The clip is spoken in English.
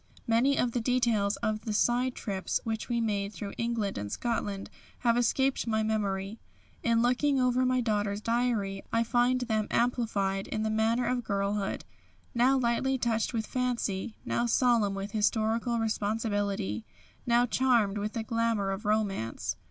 Many of the details of the side trips which we made through England and Scotland have escaped my memory. In looking over my daughter's diary I find them amplified in the manner of girlhood, now lightly touched with fancy, now solemn with historical responsibility, now charmed with the glamour of romance.